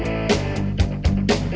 minyak hidup indonesia